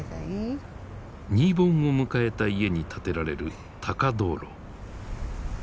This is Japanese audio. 新盆を迎えた家に立てられる高灯籠。